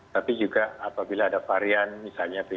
tapi juga apabila ada varian misalnya b satu ratus tujuh belas